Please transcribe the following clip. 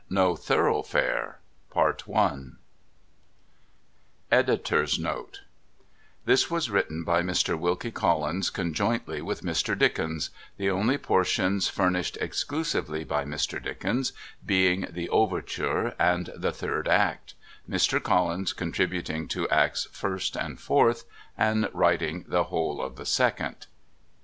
NO THOROUGHFARE (Tliis was written by Mr. Wilkie Collins conjointly with Mr. Dickens; the only portions fnrnished exclusively by Mr. Dickens being the ' Overture ' and the ' Third Act ;' Mr. Collins contributing to acts first and fourth, and writing the whole of the second.